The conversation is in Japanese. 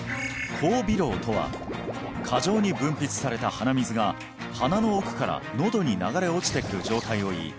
後鼻漏とは過剰に分泌された鼻水が鼻の奥から喉に流れ落ちてくる状態をいい